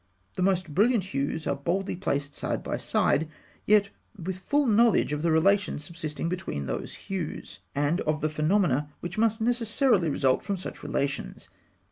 The most brilliant hues are boldly placed side by side, yet with full knowledge of the relations subsisting between these hues, and of the phenomena which must necessarily result from such relations.